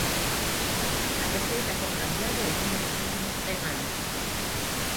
A receita ten cambiado ao longo dos últimos cen anos.